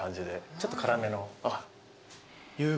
ちょっと辛めの。